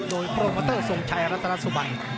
โดยโปรเมอเตอร์สวงชัยรัฐรสุบัน